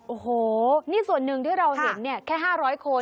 โอ้โหนี่ส่วนหนึ่งที่เราเห็นเนี่ยแค่๕๐๐คน